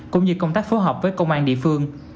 cũng như công tác phối hợp với công an địa phương